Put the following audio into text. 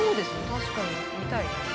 確かに見たい。